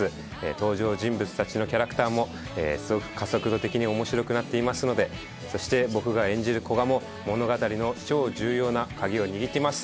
登場人物たちのキャラクターもすごく加速度的に面白くなっていますのでそして僕が演じる古賀も物語の超重要な鍵を握ってます。